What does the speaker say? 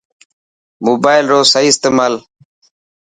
موبائل رو صحيح استعمال